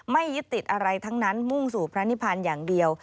ไม่ยึดติดอะไรทั้งนั้นมุ่งสู่พระนิพันธ์อย่างเดียว